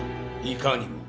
いかにも。